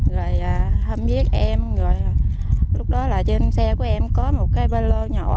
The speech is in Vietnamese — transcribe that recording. rồi hâm viết em rồi lúc đó là trên xe của em có một cái bê lô nhỏ